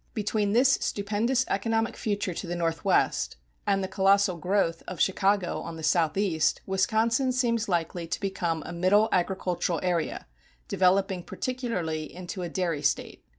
Between this stupendous economic future to the northwest and the colossal growth of Chicago on the southeast Wisconsin seems likely to become a middle agricultural area, developing particularly into a dairy State.